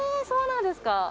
そうなんですか。